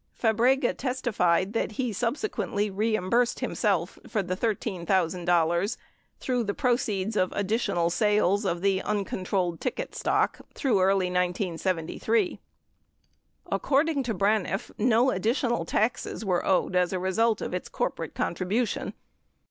Fabrega testified that he subsequently reimbursed himself for the $13, 000 through the proceeds of additional sales of the uncontrolled ticket stock through early 1973. 54 According to Braniff, no additional taxes were owed as a result of its corporate contribution.